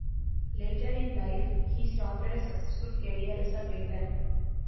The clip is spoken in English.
Later in life he started a successful career as a painter.